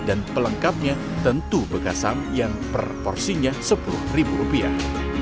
dan pelengkapnya tentu bekasam yang proporsinya sepuluh ribu rupiah